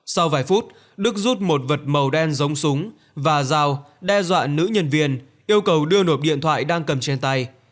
sau vài phút đức rút một vật màu đen giống súng và dao đe dọa nữ nhân viên yêu cầu đưa nộp điện thoại đang cầm trên tay